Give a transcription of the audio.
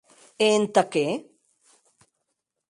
E entà qué?